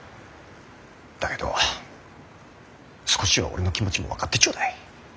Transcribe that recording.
だけど少しは俺の気持ちも分かってちょうだい。